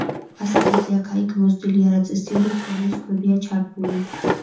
ფასადებზე აქა-იქ მოზრდილი, არაწესიერი ფორმის ქვებია ჩართული.